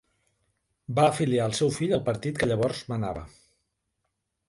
Va afiliar el seu fill al partit que llavors manava.